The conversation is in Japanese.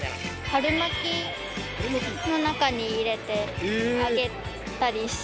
春巻きの中に入れて揚げたりしました。